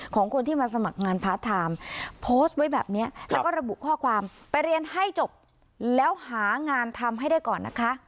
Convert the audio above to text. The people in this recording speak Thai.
ของคนที่มาสมัครงานพาร์ทไทม์โพสต์ไว้แบบนี้แล้วก็ระบุข้อความไปเรียนให้จบแล้วหางานทำให้ได้ก่อนนะคะ